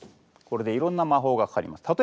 これでいろんな魔法がかかります。